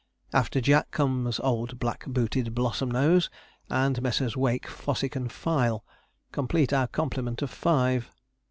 After Jack comes old black booted Blossomnose; and Messrs. Wake, Fossick, and Fyle, complete our complement of five.